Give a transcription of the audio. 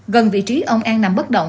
gần vị trí ông an nằm bất động